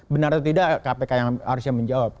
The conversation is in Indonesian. benar atau tidak kpk yang harusnya menjawab